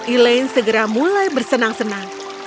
elaine segera mulai bersenang senang